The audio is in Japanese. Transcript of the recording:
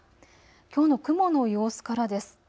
きょうの雲の様子からです。